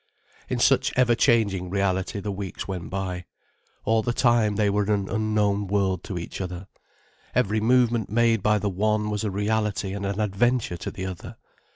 In such ever changing reality the weeks went by. All the time, they were an unknown world to each other. Every movement made by the one was a reality and an adventure to the other.